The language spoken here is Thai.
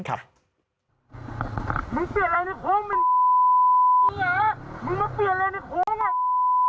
เปลี่ยนเรียนไม่คงได้ยังไง